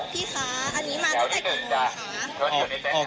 พี่คะอันนี้มาตั้งแต่กี่เดือนคะ